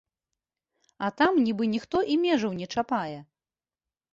А там нібы ніхто і межаў не чапае.